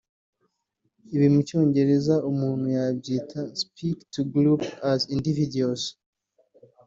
Ibi mu cyongereza umuntu yabyita (Speak ToGroups As Individuals)